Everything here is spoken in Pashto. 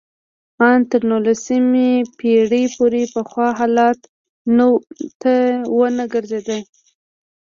ان تر نولسمې پېړۍ پورې پخوا حالت ته ونه ګرځېده